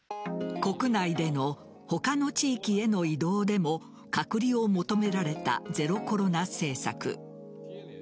国内での他の地域への移動でも隔離を求められたゼロコロナ政策。